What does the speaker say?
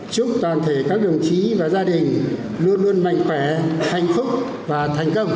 chúc toàn thể các đồng chí và gia đình luôn luôn mạnh khỏe hạnh phúc và thành công